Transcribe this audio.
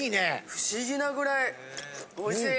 不思議なぐらいおいしい！